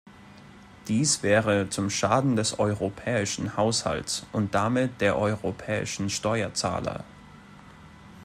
Dies wäre zum Schaden des europäischen Haushalts und damit der europäischen Steuerzahler.